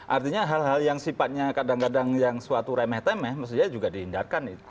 artinya hal hal yang sifatnya kadang kadang yang suatu remeh temeh mestinya juga dihindarkan